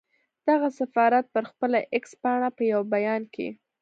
دغه سفارت پر خپله اېکس پاڼه په یو بیان کې